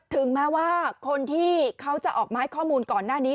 ถึงแม้ว่าคนที่เขาจะออกมาให้ข้อมูลก่อนหน้านี้